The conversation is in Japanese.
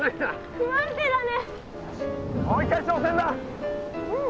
不安定だね。